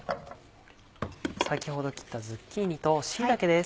先ほど切ったズッキーニと椎茸です。